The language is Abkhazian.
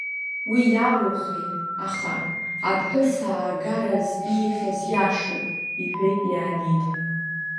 Уи иалухи, аха аԥҳәысаагараз ииҳәаз иашоуп, — иҳәеит Леонид.